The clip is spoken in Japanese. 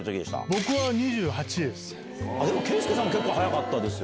僕は２８です。